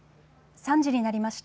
３時になりました。